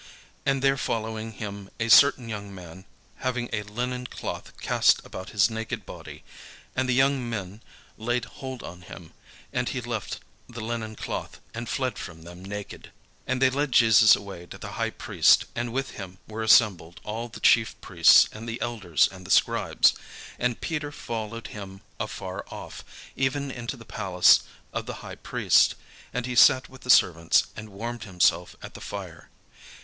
And there followed him a certain young man, having a linen cloth cast about his naked body; and the young men laid hold on him: and he left the linen cloth, and fled from them naked. And they led Jesus away to the high priest: and with him were assembled all the chief priests and the elders and the scribes. And Peter followed him afar off, even into the palace of the high priest; and he sat with the servants, and warmed himself at the fire.